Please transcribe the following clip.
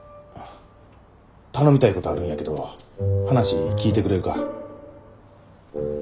頼みたいことあるんやけど話聞いてくれるか？